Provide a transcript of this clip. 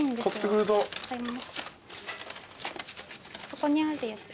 そこにあるやつ。